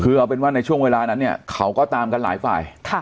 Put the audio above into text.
คือเอาเป็นว่าในช่วงเวลานั้นเนี่ยเขาก็ตามกันหลายฝ่าย